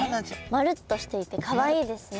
まるっとしていてカワイイですね。